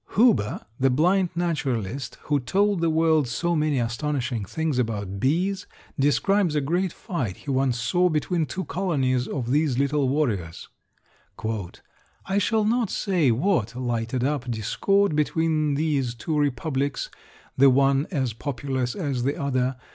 Huber, the blind naturalist who told the world so many astonishing things about bees, describes a great fight he once saw between two colonies of these little warriors. "I shall not say what lighted up discord between these two republics, the one as populous as the other.